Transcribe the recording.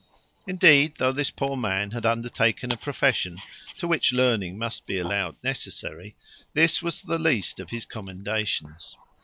Indeed, though this poor man had undertaken a profession to which learning must be allowed necessary, this was the least of his commendations.